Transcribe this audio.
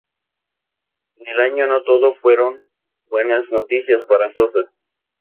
En el año no todo fueron buenas noticias para "Sosa".